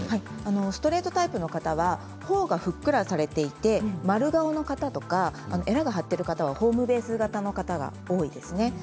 ストレートタイプの方はほおがふっくらされていて丸顔の方とかえらが張っているホームベースの方が多いですね。